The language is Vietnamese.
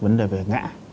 vấn đề về ngã